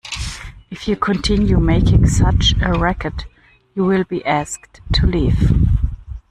If you continue making such a racket, you will be asked to leave.